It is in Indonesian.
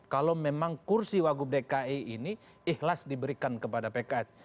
kalau memang kursi wagub dki ini ikhlas diberikan kepada pks